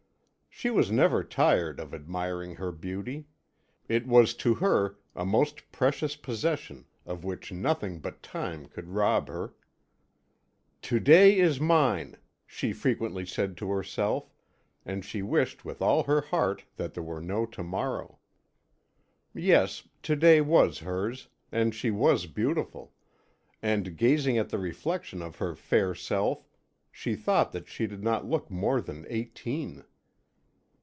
She was never tired of admiring her beauty; it was to her a most precious possession of which nothing but time could rob her. "To day is mine," she frequently said to herself, and she wished with all her heart that there were no to morrow. Yes, to day was hers, and she was beautiful, and, gazing at the reflection of her fair self, she thought that she did not look more than eighteen.